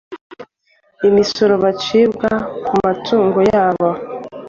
imisoro bacibwaga ku matungo yabo,